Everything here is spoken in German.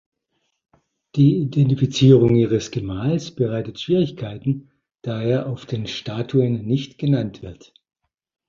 Die Identifizierung ihres Gemahls bereitet Schwierigkeiten, da er auf den Statuen nicht genannt wird.